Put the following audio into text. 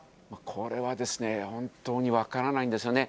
これはですね、本当に分からないんですよね。